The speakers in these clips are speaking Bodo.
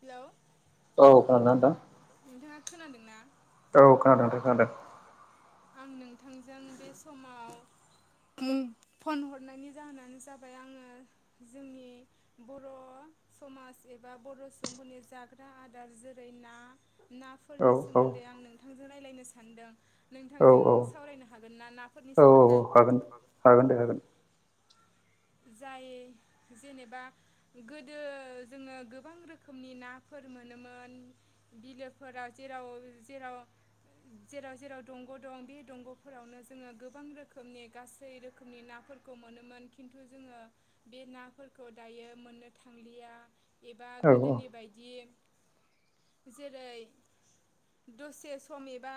हेलौ औ खोनादोंना नोंथां? खोनादों ना? औ खोनादों नोंथां खोनादों नोंथांजों बे समाव फन हरनायनि जाहोनानो जाबाय आङो जोंनि बर समाज एबा बर सुबुंफोरनि जाग्रा आदार जेरै ना नाफोरनि सोमोन्दै आं नोंथां जों रायलायनो सानदों नोंथांजों सावरायनो हागोन ना नाफोरनि सोमोन्दै? जाय जेनेबा गोदो जोङो गोबां रोखोमनि नाफो फोर मोनोमोन बिलोफोराव जेराव जेराव जेराव जेराव दंग दं बे दंगफोरावनो जोङो गोबां रोखोमनि गासै रोखोमनि ना फोरखौ मोनोमोन खिन्थु जोङो बे नाफोरखौ दायो मोननो थांलिया एबा गोदोनि बायदि जेरै दसे सम एबा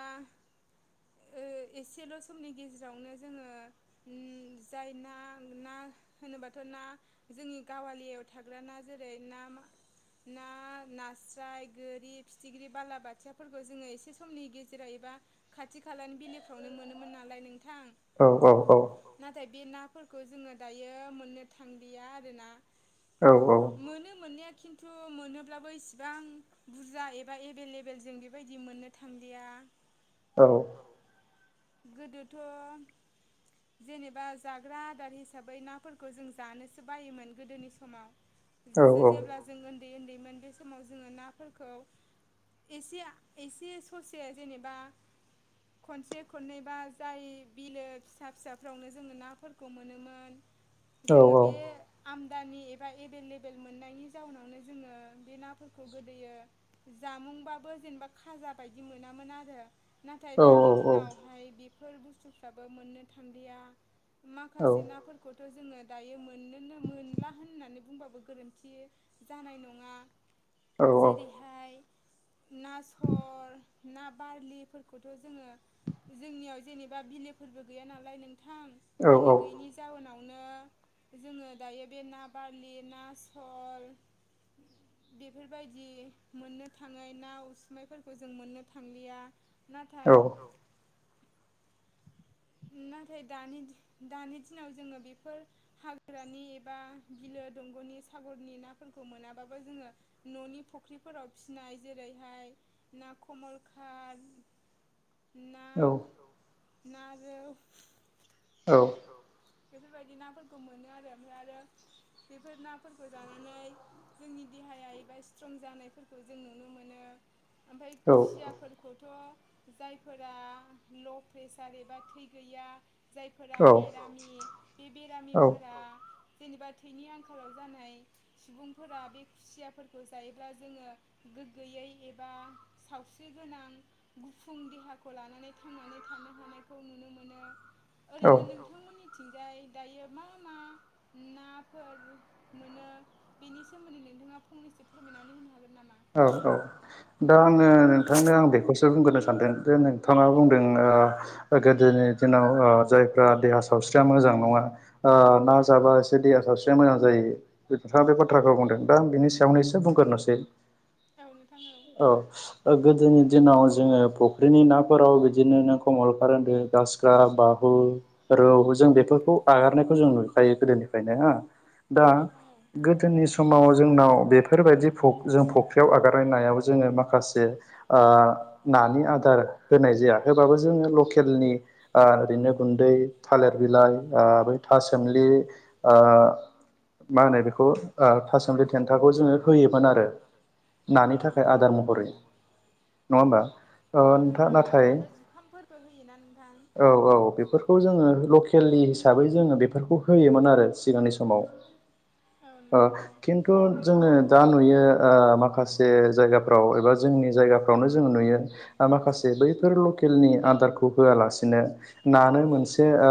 ओ एसेल समनि गेजेरावनो जोङो उम जाय ना ना होनोबाथ ना जोंनि गावालियाव थाग्रा ना जेरै ना ना नास्राय गोरि फिथिख्रि बालाबाथियाफोरखौ जोङो एसे समनि गेजेराव बा खा थि खालानि बिलोफ्रावनो मोनोमोन नालाय नोंथां नाथाय बे नाफोर खौ जोङो दायो मोननो थांलिया आरोना मोनो मोननाया खिन्थु मोनोब्लाबो इसिबां बुरजा एबा एभेलेबेल जों बेबायदि मोननो थांलिया गोदोथ जेनेबा जाग्रा आ दार हिसाबै नाफोरखौ जों जानोसो बायोमोन गोदोनि समाव जेब्ला जों ओन न्दै ओन्दैमोन बे समाव जोङो नाफोरखौ एसे एसे ससे जेनेबा खनसे खननैबा जाय बिलो फिसा फिसाफ्रावनो जोङो नाफोर खौ मोनोमोन जोंङो बे आमदामि एबा एबेल लेबेल मोननायनि जावनो जोङो बे नाफोरखौ गोदोयो जामुंबो जे जेनेबा खाजा बायदि मोनामोन आरो नाथाय दानि दिनावहाय बेफोर बुस्थुफ्राबो मोननो थांलिया माखासे नाफोरखौ थ जोङो दायो मोननोनो मोनला होननानै बुंबाबो गोरोन्थि जानाय नङा जेरैहाय ना सल ना बारलिफोरखौथ जोङो जोंनियाव जेनेबा बिलोफोरबो गैया नालाय नोंथां बिलो गैयैनि जाउनाव नों जोंङो दायो बे ना बार्लि ना सल बेफोरबायदि मोननो थाङै नाव ना उसुमैयफोरखौ जों मोननो थांलिया नाथाय नुना नाथाय दानि दानि दिनाव जोङो बेफोर हाग्रानि एबा बिलो दंग'नि सागरनि ना फोरखौ मोनाब्लाबो जोङो न'नि फख्रिफोराव फिसिनाय जेरैहाय ना कमलखाद औ। ना रौ औ। बेफोरबायदि नाफोरखौ मोनो आरो ओमफाय आरो बेफोर नाफोरखौ जानानै जोंनि देहाया एबा स्ट्रं जानायफोरखौ जों नुनो मोनो बा ओमफाय खुसियाफोरखौथ' जायफोरा ल' प्रेसार एबा थै गैया जायफोरा बेरामि बे बेरामिफोरा जेनेबा थैनि आंखालाव जानाय सुबुंफोरा बे खुसियाफोरखौ जायोब्ला जोङो गोग्गोयै एबा सावस्रि गोनां गुफुं देहाखौ लानानै थांनानै थानो हानायखौ ओरैनो नोंथां मोननि थिंजाय दायो मा मा नाफोर मोनो बेनि सोमोन्दै नोंथाङा फंनसो फोरमायनानै होन हागोन नामा? औ औ दा आङो नोंथांनो आं बेखौसो बुंग्रोनो सानदों जे नोंथाङा बुंदों आ गोदोनि दिनाव आ जाइफ्रा देहा सावस्रिया मोजां नङा आ ना जाबा एसे देहा सावस्रिया मोजां जायो नोंथाङा बे बाथ्राखौ बुं दा आं बेनि सायावनो एसे बुंग्रोनोसै। औ गोदोनि दिनाव जोंङो फुख्रिनि नाफोराव बिदिनो नों खमलखाद गास्राकाद बाहु जों बेफोरखौ आगारनायखौ जों नुखायो गोदोनिफ्रायनो हो दा गोदोनि समाव जोंनाव बेफोरबायदि जों फखखि बेयाव आगारायनायाव जोंङो माखासे आ नानि आदार होनाय जाया होबाबो जों लकेलनि ओ‌ ओरैनो गुन्दै थालेर बिलाइ ओ बै था सोमलि ओ मा होनो बेखौ ओ थासुमदि थेथाखौ जोङो होयोमोन आरो नानि थाखाय आदार महरै नङा होमबा? औ नोंथां औ आरो जुखामफोरबो होयोना नोंथां? केलि हिसाबै जोङो बेफोरखौ होयोमोन आरो सिगांनि समाव ओ खिन्थु जोंङो दा नुयो ओ माखासे माखासे जायगाफ्राव एबा जोंनि जायगाफ्रावनो जोंङो नुयो माखासे बैफोर लकेलनि आदार होआलासिनो नानो मोनसे ओ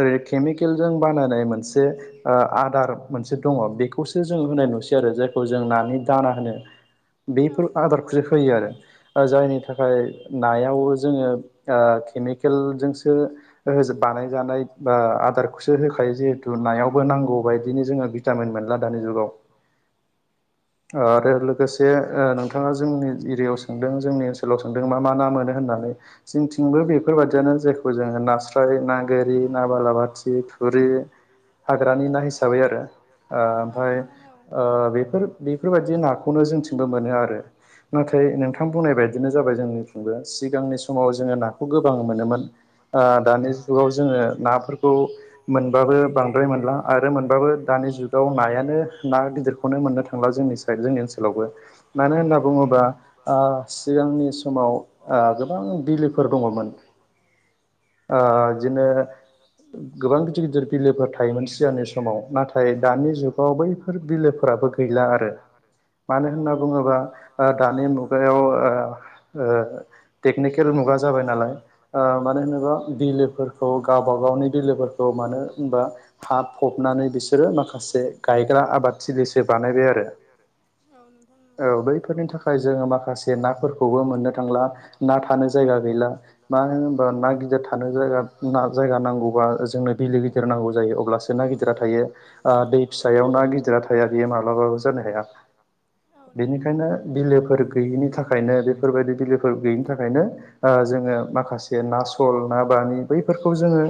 ओरै केमिकेलजों बानायनाय मोनसे ओ आदार मोनसे दङ बेखौसो जों होन नाय नुसै आरो जायखौ जों नानि दाना होनो बेफोर आदारखौस होयो आरो ओ जायनि थाखाय नायाव जोंङो ओ केमिकेलजोंसो बानायजानाय बा आदारखौसो होखायो जिहेथु नायावबो नांगौ बायदिनो जोंङो भिटामिन मोनो ला दानि जुगाव [inaudible] ओ आरो लोगोसे ओ नोंथाङा जोंनि एरियायाव सोंदों जोंनि ओनसोलाव सोंदों मा मा ना मोनो होननानै। जोंथिंबो बेफोरबायाददियनो जेखौ जों नास्राय ना गोरि ना बालाबाथि थुरि हाग्रानि ना हिसाबै आरो ओ ओमफफ्राय ओ बेफोर बेफोरबायदि नाखौनो जोंथिंबो मोनो आरो। नाथाय नोंथां बुंनाय बायदिनो जाबाय जोंनिसिबो सिगांनि समाव जोङो नाखौ गोबां मोनोमोन दानि जुगाव जोङो नाफोरखौ मोनबाबो बांद्राय मोनला आरो मोनबाबो दानि जु जुगाव नायानो ना गिदिरखौनो मोननो थां थांला जोंनि साइ जोंनि ओनसोलावबो मानो होनना बुङोबा आ सिगांनि समाव आ गोबां बिलोफोर दङमोन [inaudible] आ इदिनो गोबां गिदिर गिदिर बिलोफोर थायोमोन सिगांनि समाव नाथाय दानि जुगाव बैफोर बिलोफोराबो फोराबो गैला आरो मानो होनना बुङोबा आ दानि मुगायाव आ टेकनिकेल मुगा जाबाइ नालाइ आ मा मानो होनोबा बिलोफोरखौ गावबा गावनि बिलोफोरखौ मानो होनबा हा फबनानै बिस रो माखासे गायग्रा आबाद थिलिसो औ नोंथां औ थांला ना थानो जायगा गैला बा ना गिदिर थानो जायगा ना जायगा नांगौबा जोंनो बिलो गिदिर नांगौ जायो अब्लासो ना गिदिरा थायो बे ओ दै फिसायाव ना गिदिरा थाया बे माबलाबाबो जानो हाया बेनिखायनो बिलोफोर गैयिनि थाखायनो बेफोरबायदि बिलोफोर गैयिनि थाखायनो ओ जोङो माखासे ना सल ना बामि बैफोरखौ जोङो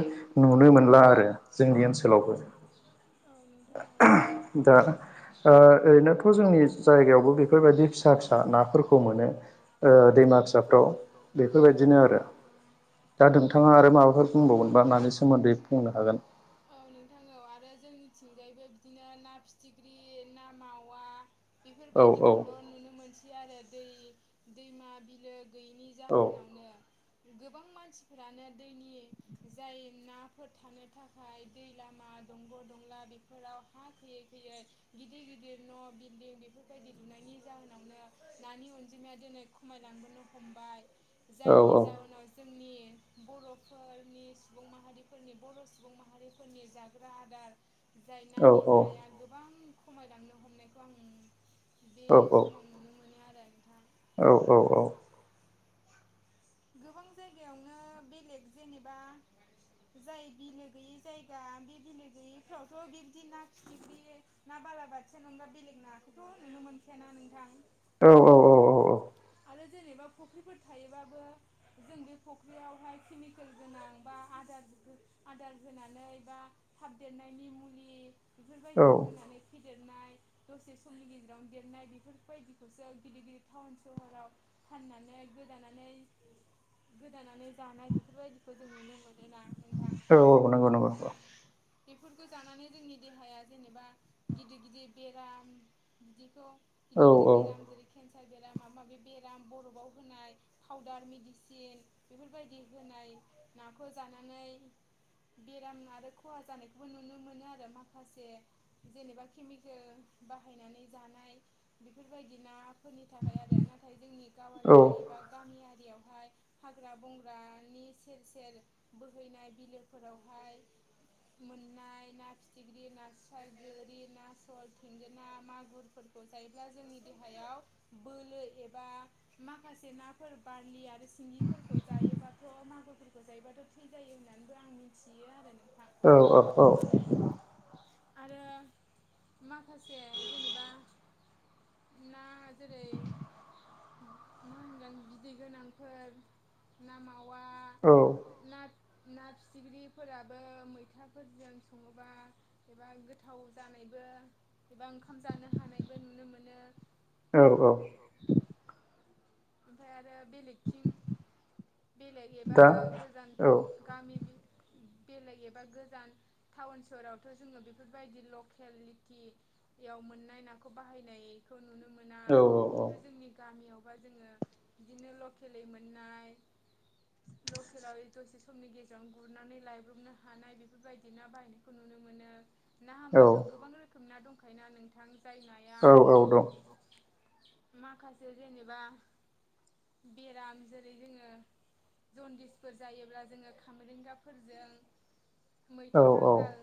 नुनो मोनला आरो जोंनि ओनसोलावबो [unintelligible] दा ओ ओरैनोथ' जोंनि जायगायावबो बेफोरबायदि फिसा फिसा नाफोरखौ मोनो ओ दैमा साफ्राव बेफोरबायदिनो आरो दा नोंथाङा आरो माबाफोर बुंबावगोन? सोमोन्दै बुंनो हागोन जोंनिथिगजायबो बिदिनो ना फिथिख्रि, ना मावा बेफोरबायदिखौल' नुनो मोनसै आरो दै दैमा बिलो गैयिनि जाहोनावनो गोबां मानसिफोरानो दैनि जाय नाफोर थानो थाखाय दै लामा दंग' दंला बेफोराव हा थिक यो गिदिर गिदिर न' बिल्डिं बेफोरबायदि लुनायनि जाहोनावनो नानि अनजिमाया दोन दि खमायलांबोनो हमबाय जायनि जाउनाव जोंनि बर'फोर नि सुबुं माहारिफोरनि बर' सुबुं माहारिफोरनि जाग्रा आदार जायना बे नाया गोबां खमायलांनो हमनायखौ आं बे समाव नुनो मोनो औ औ औ गोबां जायगायावनो बेलेग जेनेबा जाय बिलो गैयै जायगा बे बिलो गैयैफ्रावथ' बिदि ना फिथिख्रि ना बा बालाबाथियानि अनगा बेलेग नाखौथ' नुनो मोनखायाना नोंथां औ औ औ औ औ आरो जेनेबा फख्रिफोर थायोबाबो जों बे फख्रियावहाय केमिकेल गोनां बा आदार आदार होनानै बा थाब देरनायनि मुलि बेफोरबायदि होनानै फेदेरनाय दसे समनि गेजेरावनो देरनाय बेफोरबायदिखौसो गिदिर गिदिर टाउन सहराव फाननानै गोदानानै गोदानानै जानाय बेफोरबायदिखौ जों नुनो मोनो औ औ नंगौ नंगौ। बेफोरखौ जानानै जोंनि देहाया जेनेबा गिदिर गिदिर बेराम बिदिखौ गिदिर गिदिर बेराम जेरै केन्सार बेराम माबा मासि बेराम बरफआव होनाय फाउदार मेडिसिन बेफोरबायदि होनाय नाखौ जानानै बेराम आरो खहा जानायखौबो नुनो मोनो आरो माखासे जेनेबा केमिकेल बाहायनानै जानाय बेफोरबायदि ना फोरनि थाखाय आरो नाथाय जोंनि गावालिया एबा गामियारियाव फाय हाग्रा बंग्रानि सेर सेर बोहैनाय बिलोफोरावहाय मोननाय ना फिथिख्रि नास्राय गोरि ना सल थेंगोना मागुरफोरखौ जायोब्ला जोंनि देहायाव बोलो एबा माखासे नाफोर बारलि आरो सिंगिफोरखौ जायोबाथ' मागुरफोरखौ जायोबाथ' थै जायो होननानैबो आं मिथियो आरो नों औ औ औ आरो माखासे जेनेबा ना दा जेरै मा होनगोन बिदै गोनांफोर ना मावा औ ना फिथिख्रिफोराबो मैथाफोरजों सङोबा एबा गोथाव जानाय बो एबा ओंखाम जानो हानायबो नुनो मोनो [unintelligible] ओमफाय आरो बेलेगथिं बेलेग एबा गोजान गामि [unintelligible] बेलेग एबा गोजान टाउन सहरावथ' जोङो बेफोरबायदि लकेलिटियाव मोननाय नाखौ बाहायनायखौ नुनो मोना खिन्थु जोंनि गामियाव जोङो बिदिनो लकेलै मोननाय लकेलाव दसे समनि गेजेराव गुरनानै लायब्रबनो हानाय बेफोरबायदि ना बाहायनायखौ नुनो मोनो। ना हामबाथ' गोबां रोखोम ना दंखायोनाा नोंथां जाय नाया माखासे जेनेबा बेराम जेरै जोङो जन्दिसफोर जायोब्ला जोङो खामरेंगाफोरजों मैथा बांगाल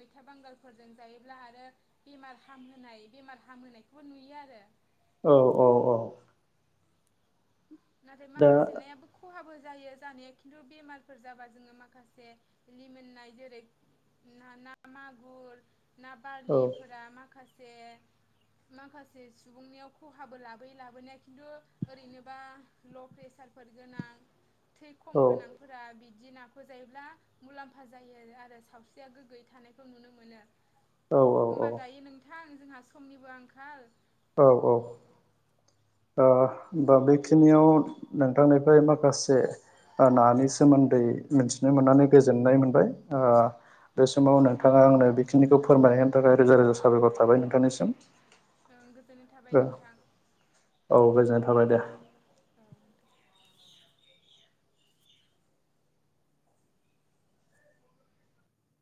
मैथा बांगालफोरजों जायोब्ला आरो बेमार हामहोनाय बेमार हामहोनायखौबो नुयो आरो। औ औ औ। नाथाय माखासे नायाबो खहाबो जायो जानाया खिन्थु बेमारफोर जाबा जोङो माखासे लिमोननाय जेरै ना ना मागुर, ना बारलिफोरा माखासे माखासे सुबुंनियाव खहाबो लाबोयो लाबोनाया खिन्थु ओरैनोबा ल' प्रेसार फोर गोनां थै खम गोनांफोरा बिद दि नाखौ जायोब्ला मुलाम्फा जायो आरो सावस्रिया गोग्गोयै थानायखौ नुनो मोनो। होमबा दायो नोंथां जोंहा समनिबो आंखाल औ औ ओ ओमबा बेखिनियाव नोंथांनिफ्राय माखासे ओ नानि सोमोन्दै मिथिनो मोननानै गोजोननाय मोनबाय ओ बे समाव नोंथाङा आंनो बेखिनिखौ फोरमायनो थाखाय रोजा रोजा साबायखर थाबाय नोंथांनिसिम। ओं गोजोननाय थाबाय नोंथां औ।